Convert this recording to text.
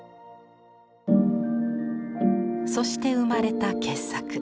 そして生まれた傑作。